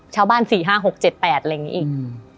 ชาวบ้านสี่ห้าหกเจ็ดแปดอะไรอย่างนี้อีก